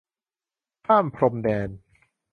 ข้ามพรมแดน